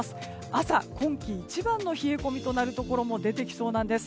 朝、今季一番の冷え込みとなるところも出てきそうです。